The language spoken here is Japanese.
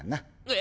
え⁉